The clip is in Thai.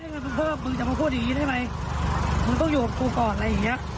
มึงจะมาพูดอย่างนี้ได้ไหมมึงต้องอยู่กับกูก่อนอะไรอย่างเงี้ย